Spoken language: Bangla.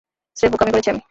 স্রেফ বোকামি করেছি আমি!